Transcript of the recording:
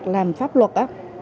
làm pháp luật á